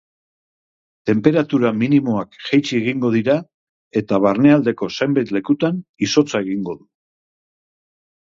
Tenperatura minimoak jaitsi egingo dira, eta barnealdeko zenbait lekutan izotza egingo du.